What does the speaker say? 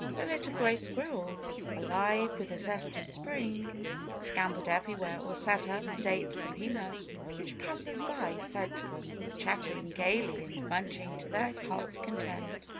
The little gray squirrels, alive with the zest of spring, scampered everywhere or sat up and ate the peanuts which passers by fed to them, chattering gaily and munching to their hearts' content.